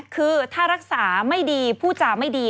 คือถ้ารักษาไม่ดีผู้จาไม่ดี